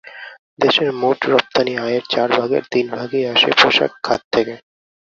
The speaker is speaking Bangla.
দেশের মোট রপ্তানি আয়ের চার ভাগের তিন ভাগই আসে পোশাক খাত থেকে।